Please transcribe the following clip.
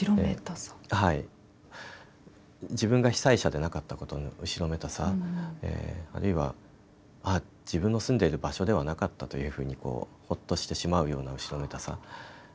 自分が被災者でなかったことの後ろめたさ、あるいはあ、自分の住んでる場所ではなかったというふうにほっとしてしまうような後ろめたさ。